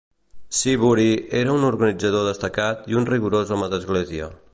Seabury era un organitzador destacat i un rigorós home d'església.